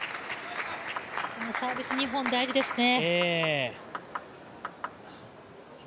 サービス、大事ですね。